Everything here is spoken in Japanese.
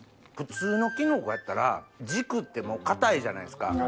普通のキノコやったら軸って硬いじゃないですか。